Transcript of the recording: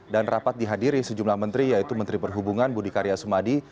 dan rapat dihadiri sejumlah menteri yaitu menteri perhubungan budi karya sumadi